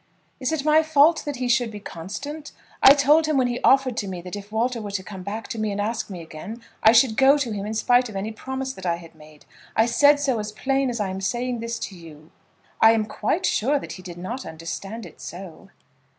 "Is it my fault that he should be constant? I told him when he offered to me that if Walter were to come back to me and ask me again, I should go to him in spite of any promise that I had made. I said so as plain as I am saying this to you." "I am quite sure that he did not understand it so."